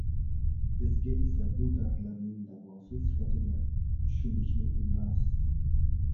Bizga esa bu dardlarning davosi sifatida tushunishni emas